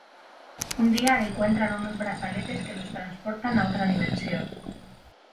Un día encuentran unos brazaletes que los transportan a otra dimensión.